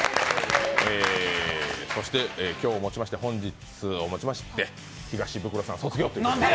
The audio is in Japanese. そして本日をもちまして、東ブクロさん卒業ということで。